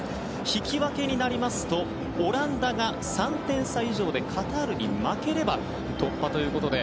引き分けになりますとオランダが３点差以上でカタールに負ければ突破ということで。